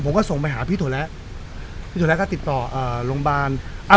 ผมก็ส่งไปหาพี่โถแร้พี่โถแร้ก็ติดต่อเอ่อโรงบาลอ่ะ